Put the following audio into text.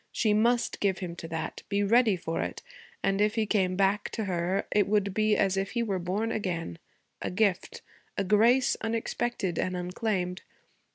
She must give him to that; be ready for it; and if he came back to her it would be as if he were born again a gift, a grace, unexpected and unclaimed.